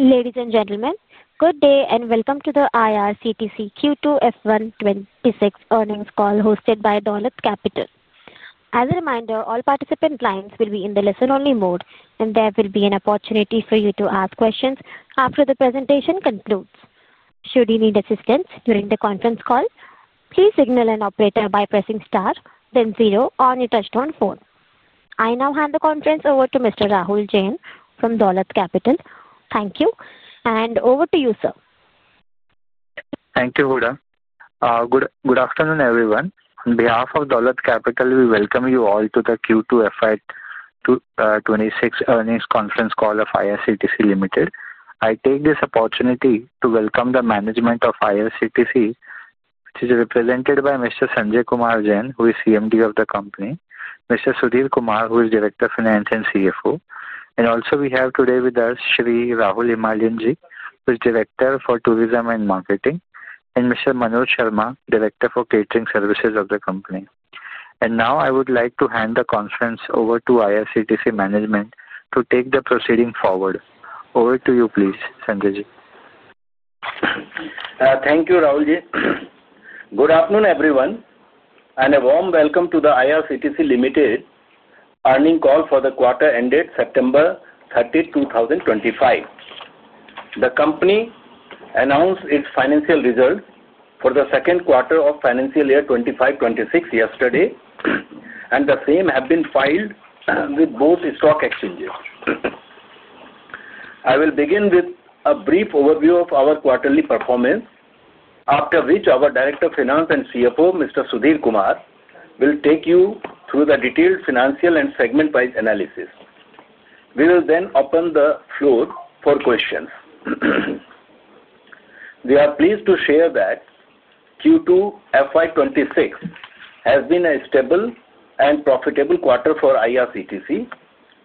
Ladies and gentlemen, good day and welcome to the IRCTC Q2F1-2026 earnings call hosted by Dolat Capital. As a reminder, all participant lines will be in the listen-only mode, and there will be an opportunity for you to ask questions after the presentation concludes. Should you need assistance during the conference call, please signal an operator by pressing star, then zero, or your touchdown phone. I now hand the conference over to Mr. Rahul Jain from Dolat Capital. Thank you, and over to you, sir. Thank you, Gadda. Good afternoon, everyone. On behalf of Dolat Capital, we welcome you all to the Q2 FY2026 earnings conference call of IRCTC Limited. I take this opportunity to welcome the management of IRCTC, which is represented by Mr. Sanjay Kumar Jain, who is CMD of the company; Mr. Sudhir Kumar, who is Director of Finance and CFO; and also we have today with us Shri Rahul Himalian Ji, who is Director for Tourism and Marketing; and Mr. Manoj Sharma, Director for Catering Services of the company. Now I would like to hand the conference over to IRCTC management to take the proceeding forward. Over to you, please, Sanjay Ji. Thank you, Rahul Ji. Good afternoon, everyone, and a warm welcome to the IRCTC Limited earning call for the quarter ended September 30, 2025. The company announced its financial results for the second quarter of financial year 2025-2026 yesterday, and the same have been filed with both stock exchanges. I will begin with a brief overview of our quarterly performance, after which our Director of Finance and CFO, Mr. Sudhir Kumar, will take you through the detailed financial and segment-wise analysis. We will then open the floor for questions. We are pleased to share that Q2F1-2026 has been a stable and profitable quarter for IRCTC,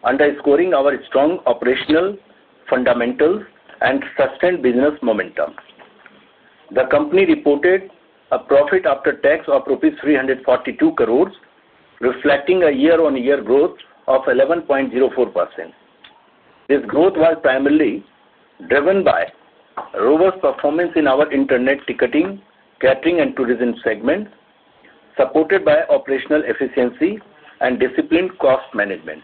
underscoring our strong operational fundamentals and sustained business momentum. The company reported a profit after tax of rupees 342 crores, reflecting a year-on-year growth of 11.04%. This growth was primarily driven by robust performance in our internet ticketing, catering, and tourism segments, supported by operational efficiency and disciplined cost management.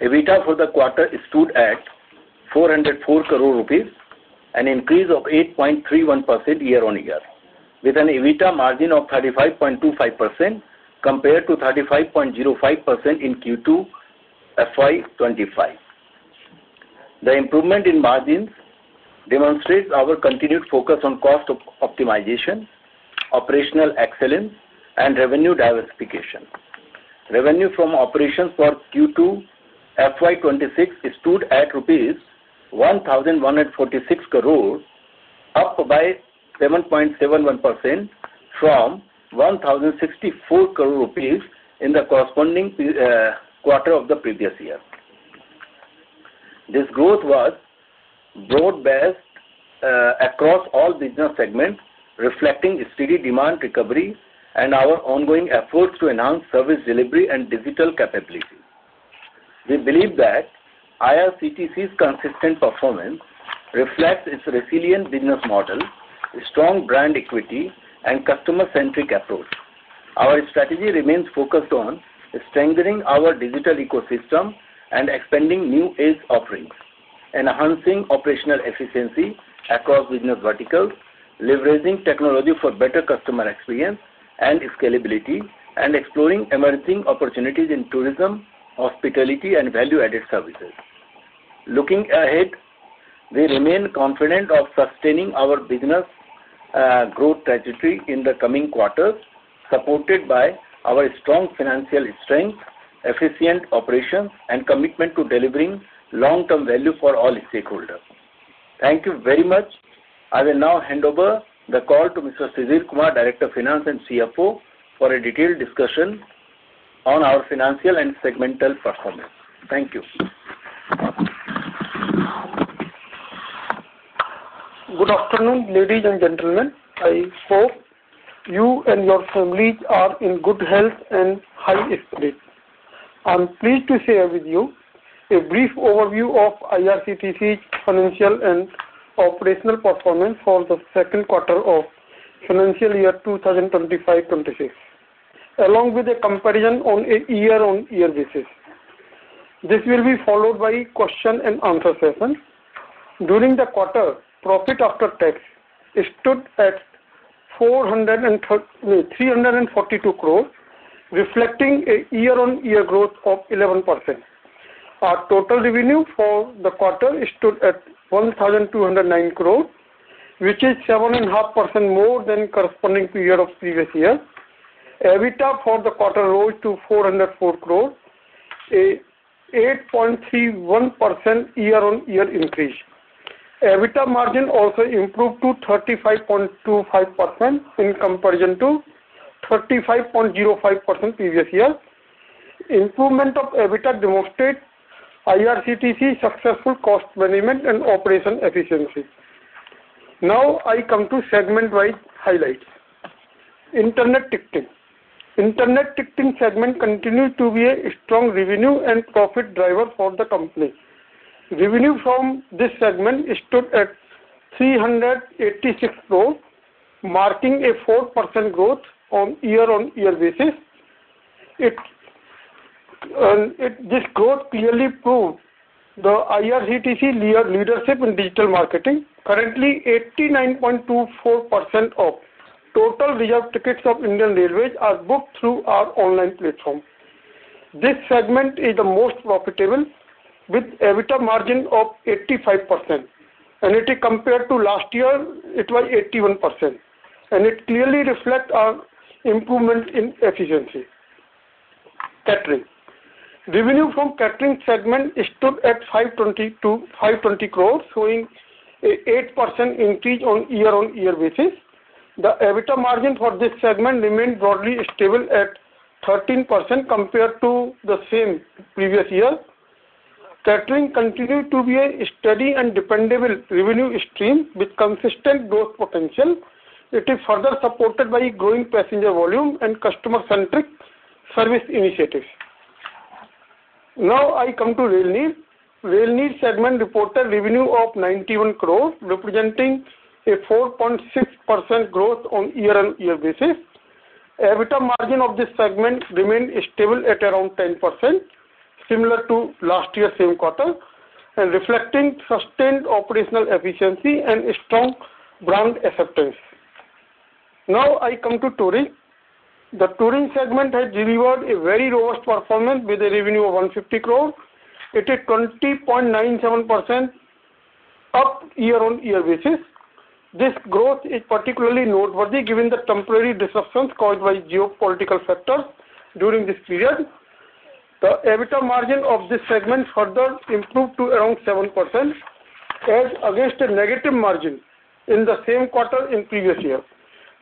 EBITDA for the quarter stood at 404 crores rupees, an increase of 8.31% year-on-year, with an EBITDA margin of 35.25% compared to 35.05% in Q2F1-2025. The improvement in margins demonstrates our continued focus on cost optimization, operational excellence, and revenue diversification. Revenue from operations for Q2F1-2026 stood at INR 1,146 crores, up by 7.71% from 1,064 crores rupees in the corresponding quarter of the previous year. This growth was broad-based across all business segments, reflecting steady demand recovery and our ongoing efforts to enhance service delivery and digital capability. We believe that IRCTC's consistent performance reflects its resilient business model, strong brand equity, and customer-centric approach. Our strategy remains focused on strengthening our digital ecosystem and expanding new-age offerings, enhancing operational efficiency across business verticals, leveraging technology for better customer experience and scalability, and exploring emerging opportunities in tourism, hospitality, and value-added services. Looking ahead, we remain confident of sustaining our business growth trajectory in the coming quarters, supported by our strong financial strength, efficient operations, and commitment to delivering long-term value for all stakeholders. Thank you very much. I will now hand over the call to Mr. Sudhir Kumar, Director of Finance and CFO, for a detailed discussion on our financial and segmental performance. Thank you. Good afternoon, ladies and gentlemen. I hope you and your families are in good health and high spirits. I'm pleased to share with you a brief overview of IRCTC's financial and operational performance for the second quarter of financial year 2025-2026, along with a comparison on a year-on-year basis. This will be followed by a question-and-answer session. During the quarter, profit after tax stood at 342 crores, reflecting a year-on-year growth of 11%. Our total revenue for the quarter stood at 1,209 crores, which is 7.5% more than the corresponding year of the previous year. EBITDA for the quarter rose to 404 crores, an 8.31% year-on-year increase. EBITDA margin also improved to 35.25% in comparison to 35.05% previous year. Improvement of EBITDA demonstrates IRCTC's successful cost management and operational efficiency. Now, I come to segment-wise highlights. Internet ticketing. Internet ticketing segment continues to be a strong revenue and profit driver for the company. Revenue from this segment stood at 386 crores, marking a 4% growth on a year-on-year basis. This growth clearly proves the IRCTC's leadership in digital marketing. Currently, 89.24% of total reserve tickets of Indian Railways are booked through our online platform. This segment is the most profitable, with an EBITDA margin of 85%. When it is compared to last year, it was 81%, and it clearly reflects our improvement in efficiency. Catering. Revenue from the catering segment stood at 520 crores, showing an 8% increase on a year-on-year basis. The EBITDA margin for this segment remained broadly stable at 13% compared to the same previous year. Catering continues to be a steady and dependable revenue stream with consistent growth potential. It is further supported by growing passenger volume and customer-centric service initiatives. Now, I come to rail needs. Rail needs segment reported revenue of 91 crores, representing a 4.6% growth on a year-on-year basis. EBITDA margin of this segment remained stable at around 10%, similar to last year's same quarter, and reflecting sustained operational efficiency and strong brand acceptance. Now, I come to touring. The touring segment has delivered a very robust performance with a revenue of 150 crores. It is 20.97% up on a year-on-year basis. This growth is particularly noteworthy given the temporary disruptions caused by geopolitical factors during this period. The EBITDA margin of this segment further improved to around 7%, against a negative margin in the same quarter as previous year,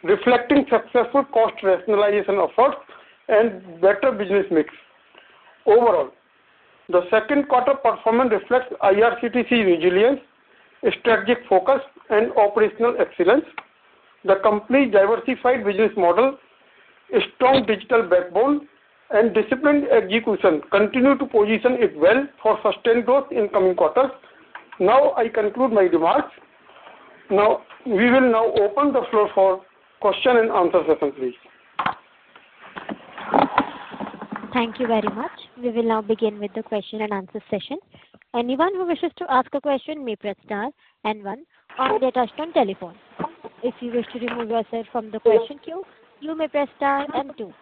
reflecting successful cost rationalization efforts and better business mix. Overall, the second quarter performance reflects IRCTC's resilience, strategic focus, and operational excellence. The company's diversified business model, strong digital backbone, and disciplined execution continue to position it well for sustained growth in the coming quarters. Now, I conclude my remarks. Now, we will now open the floor for question-and-answer session, please. Thank you very much. We will now begin with the question-and-answer session. Anyone who wishes to ask a question may press star and one, or get touched on telephone. If you wish to remove yourself from the question queue, you may press star and two.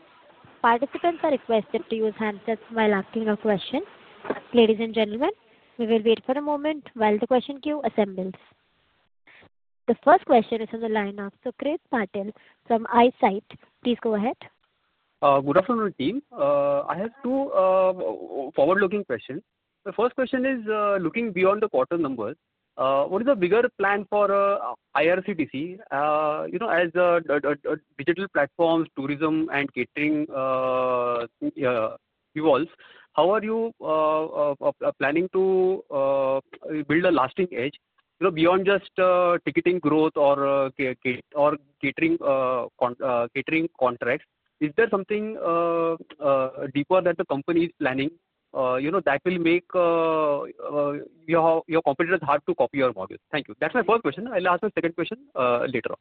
Participants are requested to use handsets while asking a question. Ladies and gentlemen, we will wait for a moment while the question queue assembles. The first question is from the line of Sucrit Patil from Eyesight. Please go ahead. Good afternoon, team. I have two forward-looking questions. The first question is looking beyond the quarter numbers. What is the bigger plan for IRCTC? As digital platforms, tourism, and catering evolve, how are you planning to build a lasting edge beyond just ticketing growth or catering contracts? Is there something deeper that the company is planning that will make your competitors hard to copy your model? Thank you. That's my first question. I'll ask the second question later on.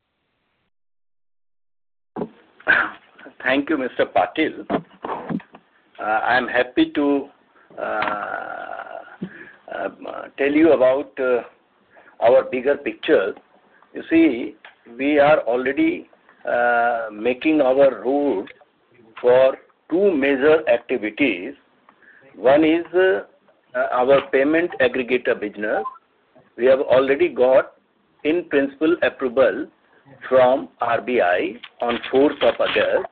Thank you, Mr. Patil. I'm happy to tell you about our bigger picture. You see, we are already making our road for two major activities. One is our payment aggregator business. We have already got in-principal approval from RBI on 4th of August,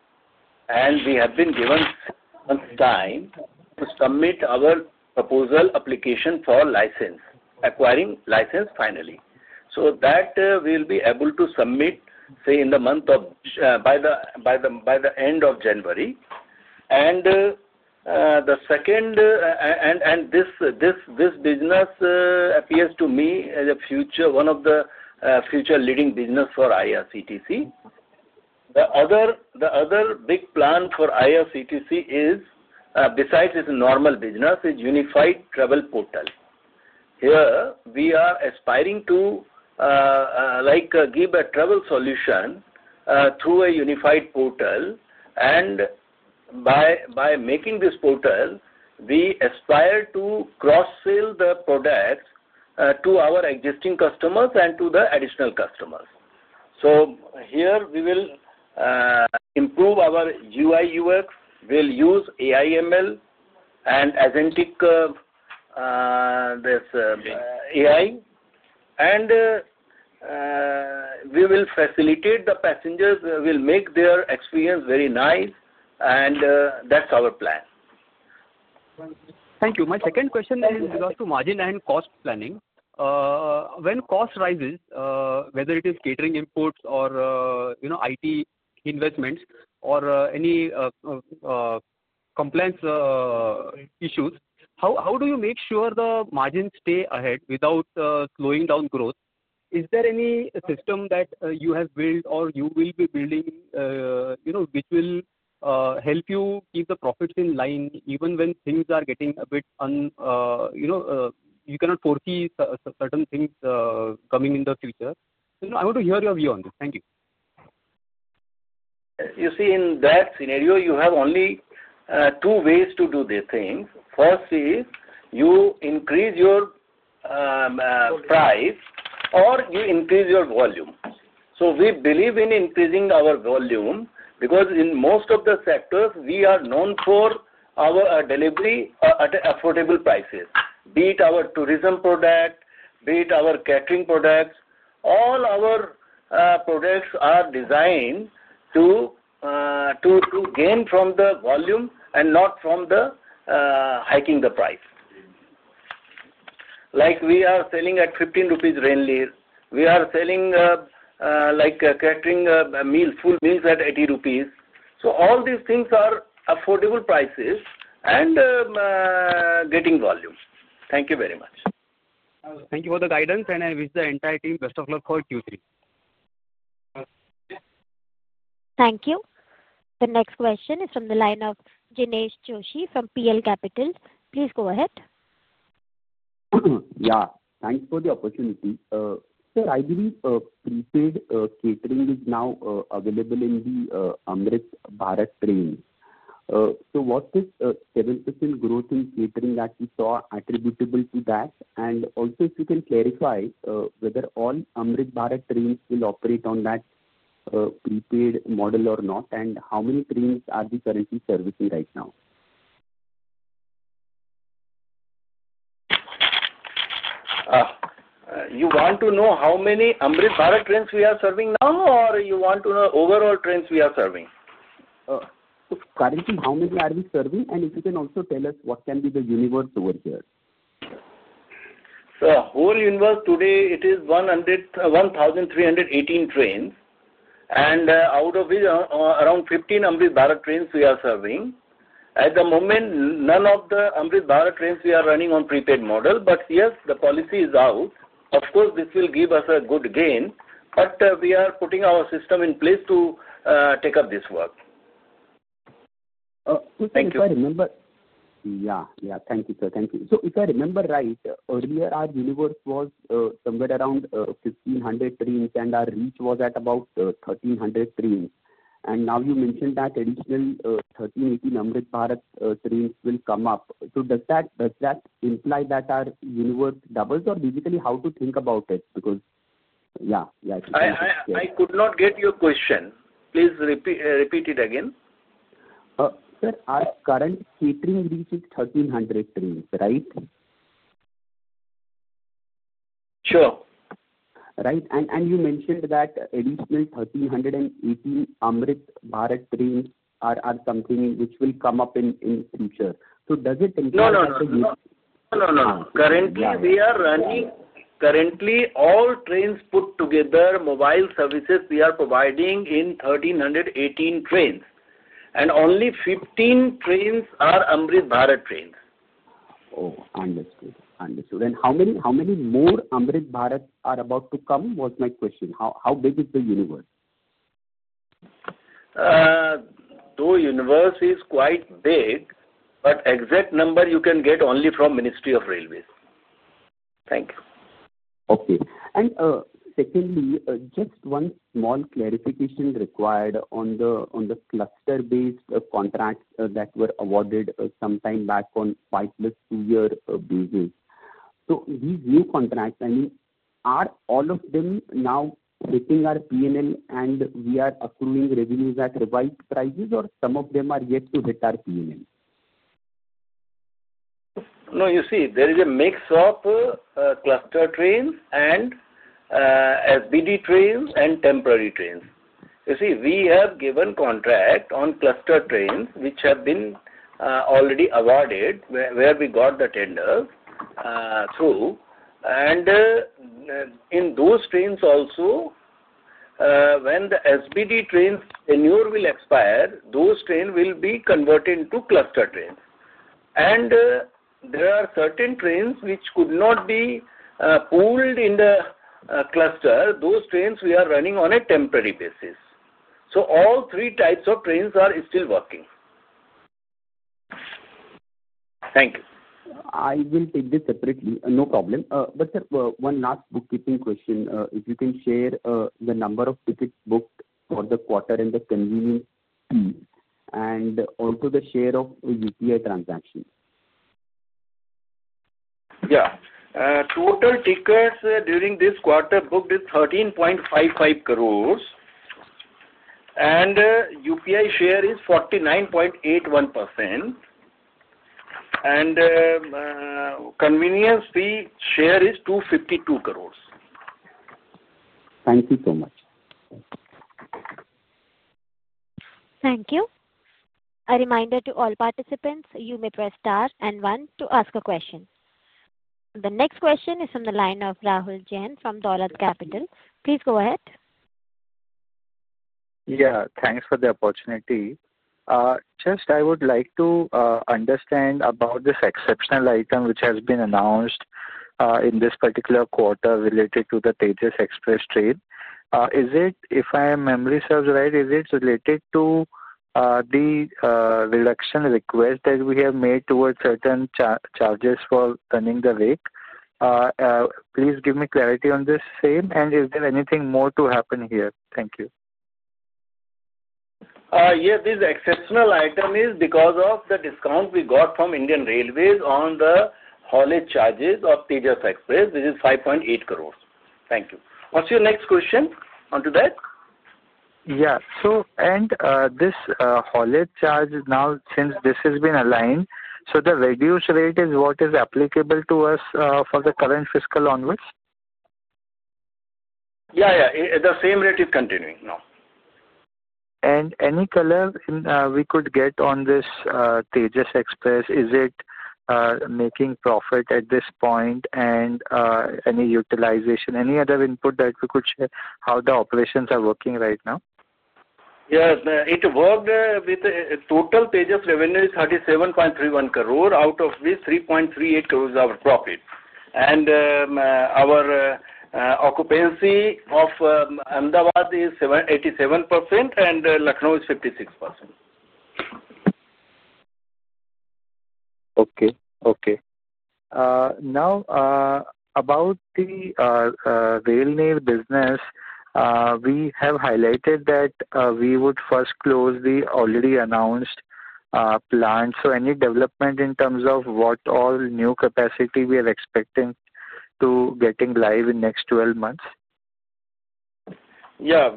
and we have been given time to submit our proposal application for license, acquiring license finally. So that we'll be able to submit, say, in the month of by the end of January. And the second, and this business appears to me as one of the future leading businesses for IRCTC. The other big plan for IRCTC, besides its normal business, is unified travel portal. Here, we are aspiring to give a travel solution through a unified portal. And by making this portal, we aspire to cross-sell the products to our existing customers and to the additional customers. So here, we will improve our UI/UX. We'll use AI/ML and Ajit Kumar's AI. And we will facilitate the passengers. We'll make their experience very nice. And that's our plan. Thank you. My second question is regards to margin and cost planning. When cost rises, whether it is catering inputs or IT investments or any compliance issues, how do you make sure the margins stay ahead without slowing down growth? Is there any system that you have built or you will be building which will help you keep the profits in line even when things are getting a bit un—you cannot foresee certain things coming in the future? I want to hear your view on this. Thank you. You see, in that scenario, you have only two ways to do these things. First is you increase your price or you increase your volume. So we believe in increasing our volume because in most of the sectors, we are known for our delivery at affordable prices, be it our tourism product, be it our catering products. All our products are designed to gain from the volume and not from hiking the price. Like we are selling at 15 rupees rain layers. We are selling catering meals, full meals at 80 rupees. So all these things are affordable prices and getting volume. Thank you very much. Thank you for the guidance, and I wish the entire team best of luck for Q3. Thank you. The next question is from the line of Jinesh Joshi from PL Capital. Please go ahead. Yeah. Thanks for the opportunity. Sir, I believe prepaid catering is now available in the Amrit Bharat trains. So was this 7% growth in catering that you saw attributable to that? And also, if you can clarify whether all Amrit Bharat trains will operate on that prepaid model or not, and how many trains are we currently servicing right now? You want to know how many Amrit Bharat trains we are serving now, or you want to know overall trains we are serving? Currently, how many are we serving? And if you can also tell us what can be the universe over here. The whole universe today, it is 1,318 trains. And out of which, around 15 Amrit Bharat trains we are serving. At the moment, none of the Amrit Bharat trains we are running on prepaid model. But yes, the policy is out. Of course, this will give us a good gain. But we are putting our system in place to take up this work. If I remember—yeah, yeah. Thank you, sir. Thank you. So if I remember right, earlier, our universe was somewhere around 1,500 trains, and our reach was at about 1,300 trains. And now you mentioned that additional 1,380 Amrit Bharat trains will come up. So does that imply that our universe doubles or basically how to think about it? Because yeah, yeah. I could not get your question. Please repeat it again. Sir, our current catering reach is 1,300 trains, right? Sure. Right? And you mentioned that additional 1,318 Amrit Bharat trains are something which will come up in the future. So does it imply that the— No, no, no. Currently, we are running currently all trains put together, mobile services we are providing in 1,318 trains. And only 15 trains are Amrit Bharat trains. Oh, understood. Understood. And how many more Amrit Bharat are about to come was my question. How big is the universe? The universe is quite big, but exact number you can get only from Ministry of Railways. Thank you. Okay. And secondly, just one small clarification required on the cluster-based contracts that were awarded sometime back on quite the two-year basis. So these new contracts, I mean, are all of them now hitting our P&L, and we are accruing revenues at right prices, or some of them are yet to hit our P&L? No, you see, there is a mix of cluster trains and SBD trains and temporary trains. You see, we have given contract on cluster trains which have been already awarded where we got the tenders through. And in those trains also, when the SBD trains anew will expire, those trains will be converted into cluster trains. And there are certain trains which could not be pulled in the cluster. Those trains we are running on a temporary basis. So all three types of trains are still working. Thank you. I will take this separately. No problem. But sir, one last bookkeeping question. If you can share the number of tickets booked for the quarter and the convenience fee, and also the share of UPI transactions. Yeah. Total tickets during this quarter booked is 13.55 crores, and UPI share is 49.81%. And convenience fee share is 252 crores. Thank you so much. Thank you. A reminder to all participants, you may press star and one to ask a question. The next question is from the line of Rahul Jain from Dolat Capital. Please go ahead. Yeah. Thanks for the opportunity. Just I would like to understand about this exceptional item which has been announced in this particular quarter related to the Tejas Express train. If my memory serves right, is it related to the reduction request that we have made towards certain charges for turning the wake? Please give me clarity on this same. And is there anything more to happen here? Thank you. Yeah. This exceptional item is because of the discount we got from Indian Railways on the holiday charges of Tejas Express. This is 5.8 crores. Thank you. What's your next question onto that? Yeah. So and this holiday charge now, since this has been aligned, so the reduced rate is what is applicable to us for the current fiscal onwards? Yeah, yeah. The same rate is continuing. No. And any color we could get on this Tejas Express? Is it making profit at this point? And any utilization? Any other input that we could share how the operations are working right now? Yes. It worked with total Tejas revenue is 37.31 crore out of which 3.38 crores are profit. And our occupancy of Ahmedabad is 87%, and Lucknow is 56%. Okay. Okay. Now, about the rail net business, we have highlighted that we would first close the already announced plan. So any development in terms of what all new capacity we are expecting to getting live in the next 12 months? Yeah.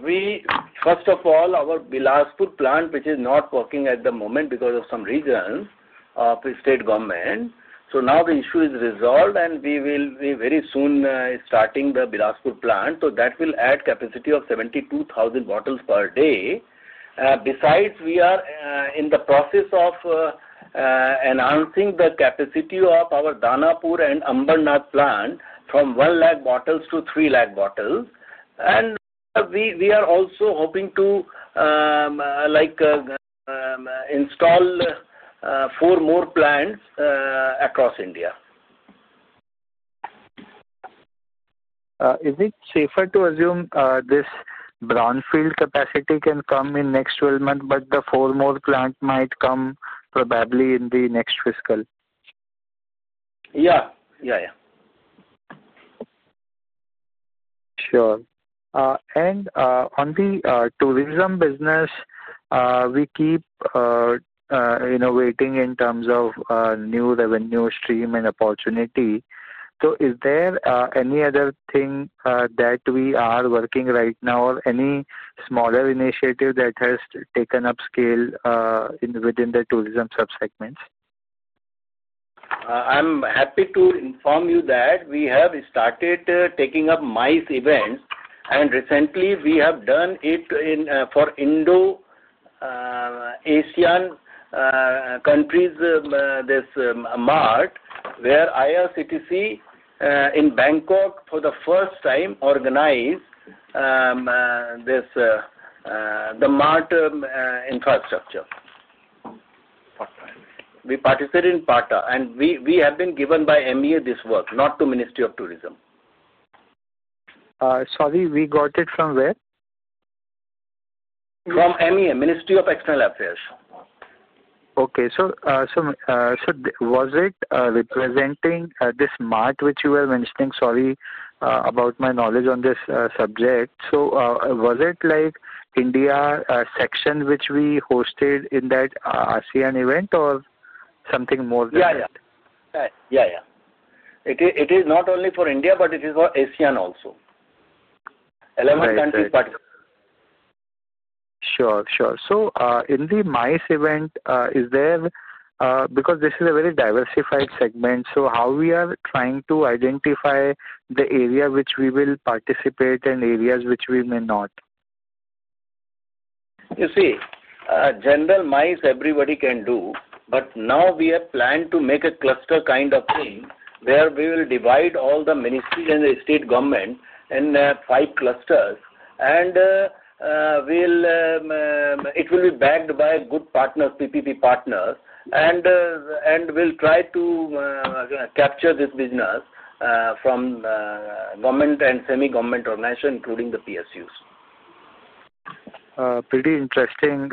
First of all, our Bilaspur plant, which is not working at the moment because of some reason of the state government. So now the issue is resolved, and we will be very soon starting the Bilaspur plant. So that will add capacity of 72,000 bottles per day. Besides, we are in the process of announcing the capacity of our Danapur and Ambernath plant from 1 lakh bottles to 3 lakh bottles. And we are also hoping to install four more plants across India. Is it safer to assume this brownfield capacity can come in the next 12 months, but the four more plants might come probably in the next fiscal? Yeah. Yeah, yeah. Sure. And on the tourism business, we keep innovating in terms of new revenue stream and opportunity. So is there any other thing that we are working right now or any smaller initiative that has taken up scale within the tourism subsegments? I'm happy to inform you that we have started taking up MICE events. And recently, we have done it for Indo-ASEAN countries, this mart, where IRCTC in Bangkok for the first time organized the mart infrastructure. We participate in PATA. And we have been given by MEA this work, not to Ministry of Tourism. Sorry, we got it from where? From MEA, Ministry of External Affairs. Okay. So was it representing this mart, which you were mentioning? Sorry about my knowledge on this subject. So was it like India section which we hosted in that ASEAN event or something more than that? Yeah, yeah. Yeah, yeah. It is not only for India, but it is for ASEAN also. 11 countries participate. Sure, sure. So in the MICE event, is there because this is a very diversified segment, so how we are trying to identify the area which we will participate and areas which we may not? You see, general MICE everybody can do. But now we have planned to make a cluster kind of thing where we will divide all the ministries and the state government in five clusters. And it will be backed by good partners, PPP partners. And we'll try to capture this business from government and semi-government organizations, including the PSUs. Pretty interesting.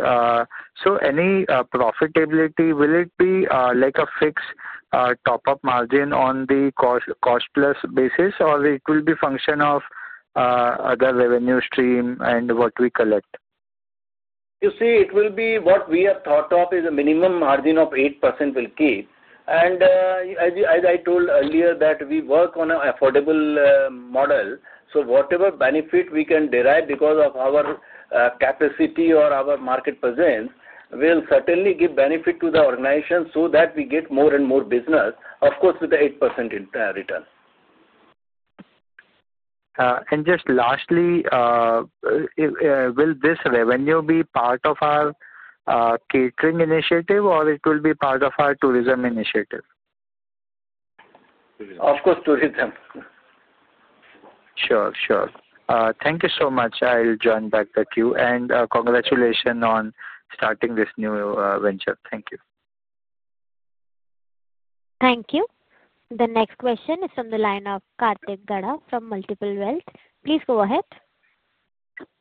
So any profitability, will it be like a fixed top-up margin on the cost-plus basis, or it will be a function of other revenue stream and what we collect? You see, it will be what we have thought of is a minimum margin of 8% we'll keep. And as I told earlier that we work on an affordable model. So whatever benefit we can derive because of our capacity or our market presence will certainly give benefit to the organization so that we get more and more business, of course, with the 8% return. And just lastly, will this revenue be part of our catering initiative, or it will be part of our tourism initiative? Of course, tourism. Sure, sure. Thank you so much. I'll join back the queue. And congratulations on starting this new venture. Thank you. Thank you. The next question is from the line of Kartik Gada from Multiple Wealth. Please go ahead.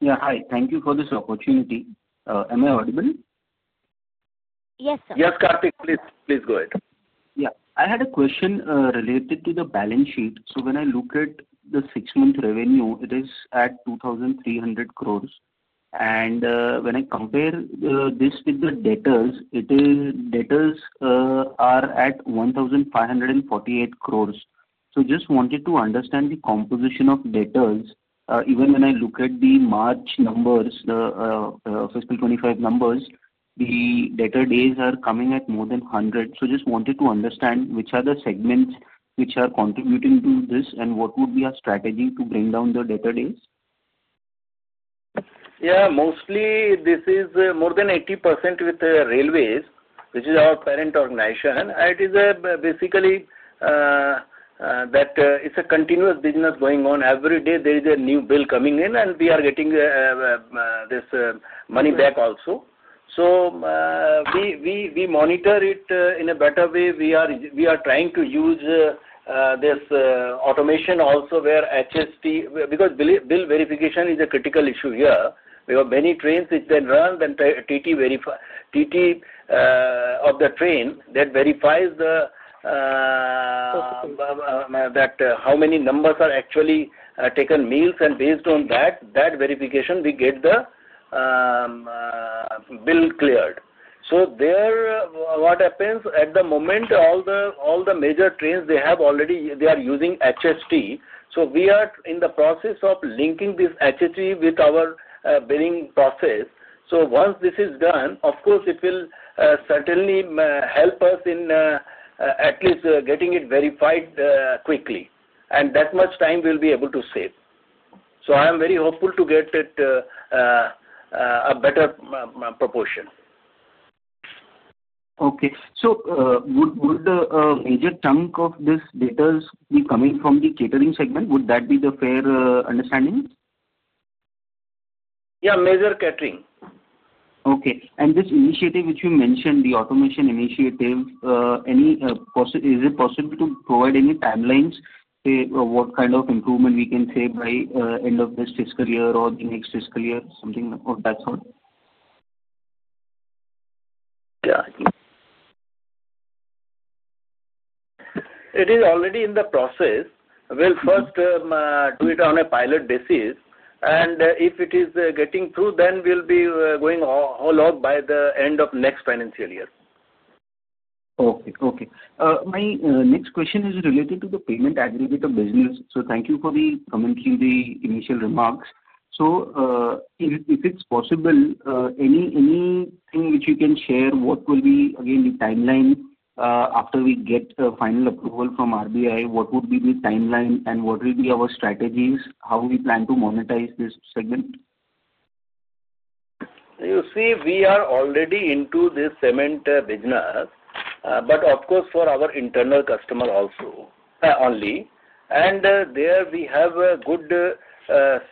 Yeah. Hi. Thank you for this opportunity. Am I audible? Yes, sir. Yes, Karthik, please. Please go ahead. Yeah. I had a question related to the balance sheet. So when I look at the six-month revenue, it is at 2,300 crores. And when I compare this with the debtors, debtors are at 1,548 crores. So just wanted to understand the composition of debtors. Even when I look at the March numbers, the fiscal 2025 numbers, the debtor days are coming at more than 100. So just wanted to understand which are the segments which are contributing to this and what would be our strategy to bring down the debtor days? Yeah. Mostly, this is more than 80% with railways, which is our parent organization. And it is basically that it's a continuous business going on. Every day, there is a new bill coming in, and we are getting this money back also. So we monitor it in a better way. We are trying to use this automation also where HST because bill verification is a critical issue here. We have many trains which then run then TT of the train that verifies how many numbers are actually taken meals. And based on that verification, we get the bill cleared. So what happens at the moment, all the major trains, they are using HST. So we are in the process of linking this HST with our billing process. So once this is done, of course, it will certainly help us in at least getting it verified quickly. And that much time we'll be able to save. So I am very hopeful to get a better proportion. Okay. So would the major chunk of this debtors be coming from the catering segment? Would that be the fair understanding? Yeah, major catering. Okay. And this initiative which you mentioned, the automation initiative, is it possible to provide any timelines what kind of improvement we can say by end of this fiscal year or the next fiscal year, something of that sort? Yeah. It is already in the process. We'll first do it on a pilot basis. And if it is getting through, then we'll be going all out by the end of next financial year. Okay. Okay. My next question is related to the payment aggregator business. So thank you for the commentary, the initial remarks. So if it's possible, anything which you can share, what will be, again, the timeline after we get final approval from RBI? What would be the timeline, and what will be our strategies? How do we plan to monetize this segment? You see, we are already into this cement business, but of course, for our internal customer only. And there we have a good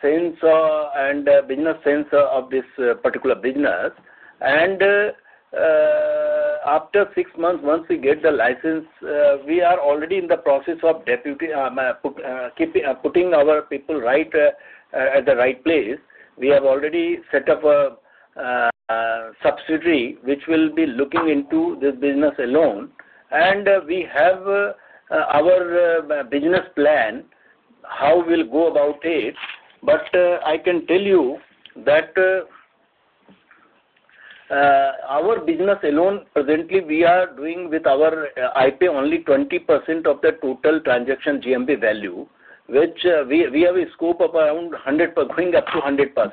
sense and business sense of this particular business. And after six months, once we get the license, we are already in the process of putting our people at the right place. We have already set up a subsidiary which will be looking into this business alone. And we have our business plan, how we'll go about it. But I can tell you that our business alone, presently, we are doing with our IP only 20% of the total transaction GMB value, which we have a scope of around 100%, going up to 100%.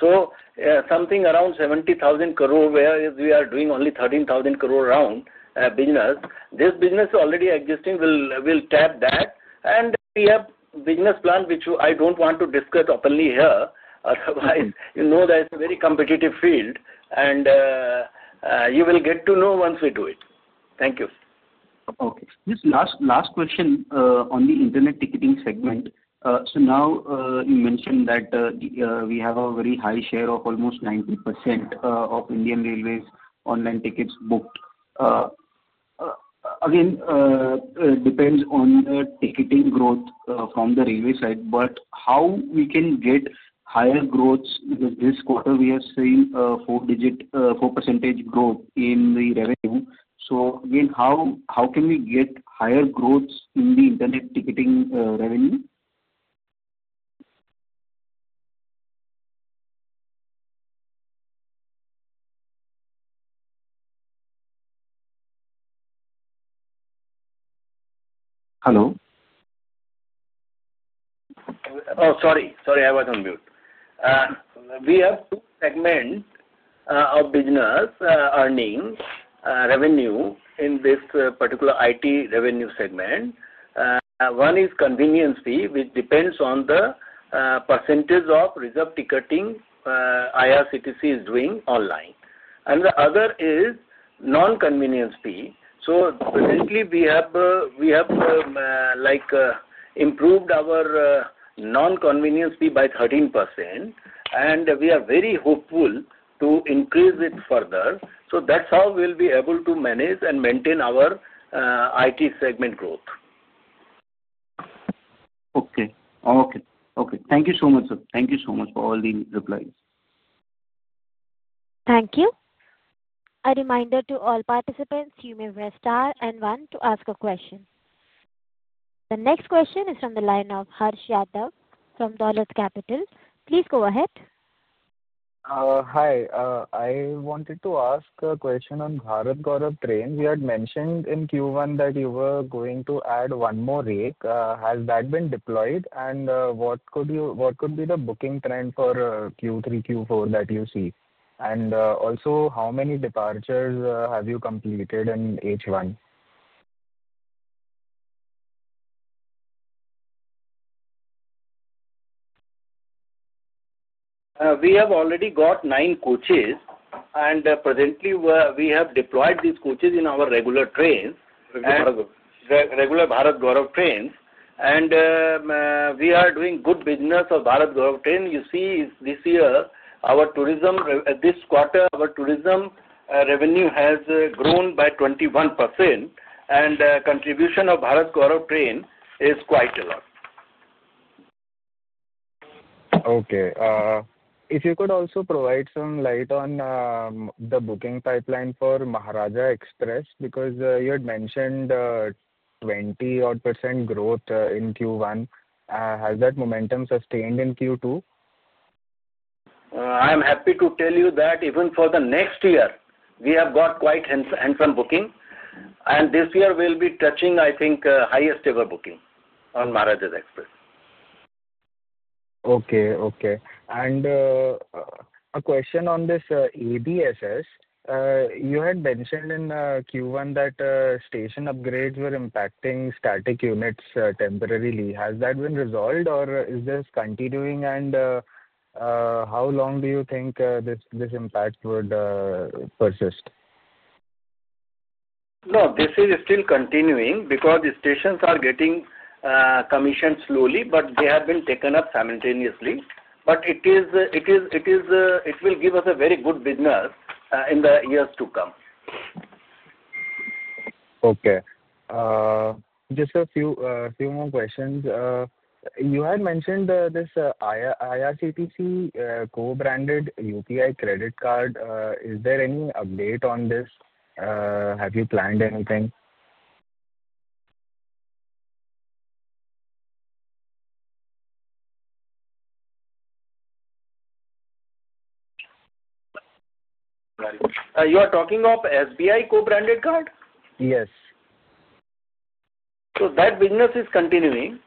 So something around 70,000 crore, whereas we are doing only 13,000 crore round business. This business already existing will tap that. And we have business plan which I don't want to discuss openly here. Otherwise, you know that it's a very competitive field. And you will get to know once we do it. Thank you. Okay. Just last question on the internet ticketing segment. So now you mentioned that we have a very high share of almost 90% of Indian Railways online tickets booked. Again, it depends on ticketing growth from the railway side. But how we can get higher growth? This quarter, we are seeing four percentage growth in the revenue. So again, how can we get higher growth in the internet ticketing revenue? Hello? Oh, sorry. Sorry, I was on mute. We have two segments of business earning revenue in this particular IT revenue segment. One is convenience fee, which depends on the percentage of reserve ticketing IRCTC is doing online. And the other is non-convenience fee. So presently, we have improved our non-convenience fee by 13%. And we are very hopeful to increase it further. So that's how we'll be able to manage and maintain our IT segment growth. Okay. Okay. Okay. Thank you so much, sir. Thank you so much for all the replies. Thank you. A reminder to all participants, you may restart and run to ask a question. The next question is from the line of Harsh Yadav from Dolat Capital. Please go ahead. Hi. I wanted to ask a question on Bharat Gaurav train. We had mentioned in Q1 that you were going to add one more rake. Has that been deployed? What could be the booking trend for Q3, Q4 that you see? Also, how many departures have you completed in H1? We have already got nine coaches. Presently, we have deployed these coaches in our regular trains, regular Bharat Gaurav trains. We are doing good business of Bharat Gaurav train. You see, this year, our tourism, this quarter, our tourism revenue has grown by 21%. Contribution of Bharat Gaurav train is quite a lot. Okay. If you could also provide some light on the booking pipeline for Maharaja Express, because you had mentioned 20% growth in Q1. Has that momentum sustained in Q2? I am happy to tell you that even for the next year, we have got quite handsome booking. This year will be touching, I think, highest ever booking on Maharaja Express. Okay. Okay. A question on this ABSS. You had mentioned in Q1 that station upgrades were impacting static units temporarily. Has that been resolved, or is this continuing? How long do you think this impact would persist? No, this is still continuing because the stations are getting commissioned slowly, but they have been taken up simultaneously. It will give us a very good business in the years to come. Okay. Just a few more questions. You had mentioned this IRCTC co-branded UPI credit card. Is there any update on this? Have you planned anything? You are talking of SBI co-branded card? Yes. That business is continuing.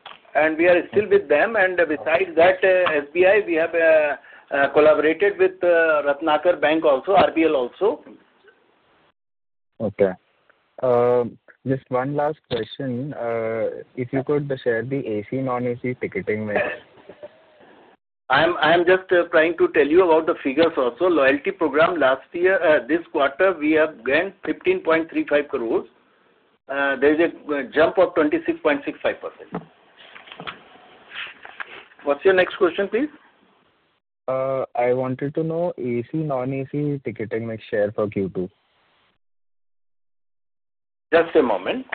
We are still with them. Besides that, SBI, we have collaborated with RBL also. Okay. Just one last question. If you could share the AC, non-AC ticketing with. I am just trying to tell you about the figures also. Loyalty program last year, this quarter, we have gained 15.35 crore. There is a jump of 26.65%. What's your next question, please? I wanted to know AC, non-AC ticketing share for Q2. Just a moment.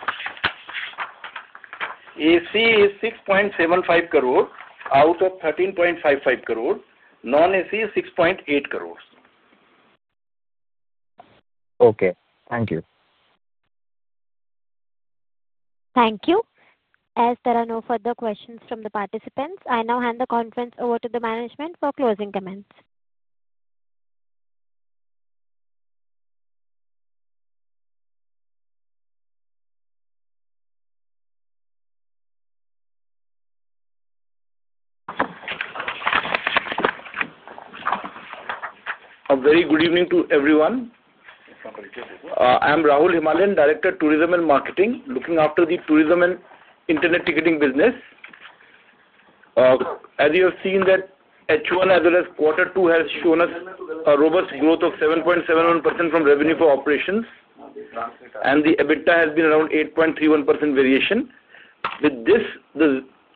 AC is 6.75 crore out of 13.55 crore. Non-AC is 6.8 crore. Okay. Thank you. Thank you. As there are no further questions from the participants, I now hand the conference over to the management for closing comments. A very good evening to everyone. I'm Rahul Himalian, Director Tourism and Marketing, looking after the tourism and internet ticketing business. As you have seen, that H1 as well as quarter two has shown us a robust growth of 7.71% from revenue for operations. And the EBITDA has been around 8.31% variation. With this,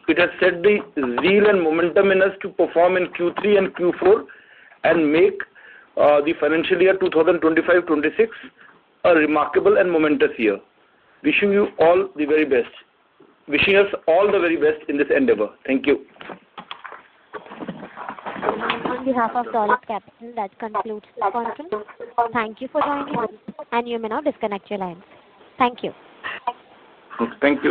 it has set the zeal and momentum in us to perform in Q3 and Q4 and make the financial year 2025-2026 a remarkable and momentous year. Wishing you all the very best. Wishing us all the very best in this endeavor. Thank you. On behalf of Dollars Capital, that concludes the conference. Thank you for joining us. You may now disconnect your lines. Thank you. Thank you.